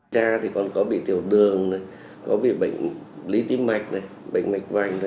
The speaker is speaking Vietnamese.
cha thì còn có bị tiểu đường có bị bệnh lý tím mạch bệnh mạch vành